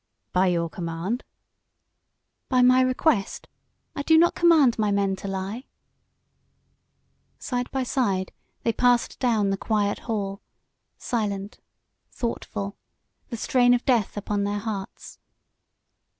"By your command?" "By my request. I do not command my men to lie." Side by side they passed down the quiet hall, silent, thoughtful, the strain of death upon their hearts.